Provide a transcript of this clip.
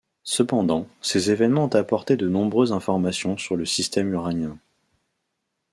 Cependant, ces événements ont apporté de nombreuses informations sur le système uranien.